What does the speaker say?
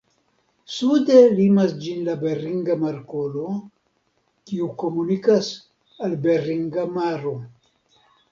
Sude limas ĝin la Beringa Markolo, kiu komunikas al Beringa maro.